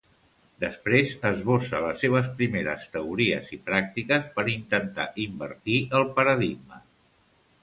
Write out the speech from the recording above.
Després esbossa les seves primeres teories i pràctiques per intentar invertir el paradigma.